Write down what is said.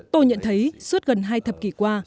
tôi nhận thấy suốt gần hai thập kỷ qua